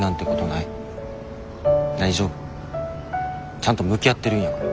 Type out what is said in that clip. ちゃんと向き合ってるんやから。